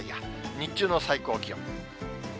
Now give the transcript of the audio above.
日中の最高気温。